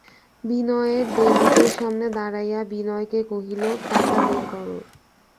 বিনয়ের দেরাজের সামনে দাঁড়াইয়া বিনয়কে কহিল, টাকা বের করো।